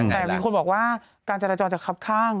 แต่บีคนบอกว่าการจารยรย์จะขับข่าง